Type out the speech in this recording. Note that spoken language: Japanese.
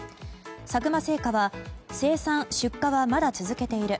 佐久間製菓は生産・出荷はまだ続けている。